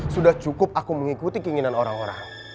sudah cukup aku mengikuti keinginan orang orang